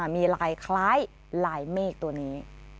มีลายคล้ายลายเมฆตัวนี้